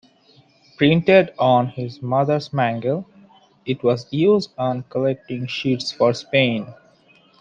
Printed on his mother's mangle, it was used on collecting sheets for Spain.